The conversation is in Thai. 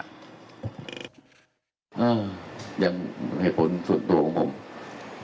อ้าวยังเหตุผลส่วนตัวของผม